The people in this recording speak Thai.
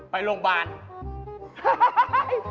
ไปโรงพยาบาล